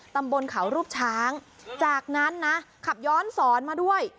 ตำบลเขารูปช้างจากนั้นนะขับย้อนสอนมาด้วย